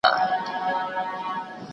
زه مخکي زدکړه کړې وه!